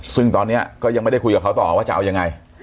ซึ่งตอนนี้ก็ยังไม่ได้คุยกับเขาต่อว่าจะเอายังไง